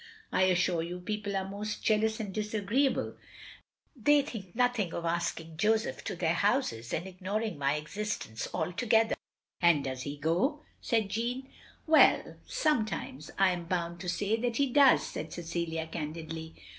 I assure you people are most jealous and disagreeable. They think nothing of asking Joseph to their houses and ignoring my existence altogether. "" And does he go? *' said Jeanne. "Well, sometimes I am bound to say that he does," said Cecilia candidly.